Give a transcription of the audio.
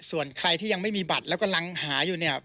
ส่วนใครที่ยังไม่มีบัตรแล้วกำลังหาอยู่เนี่ย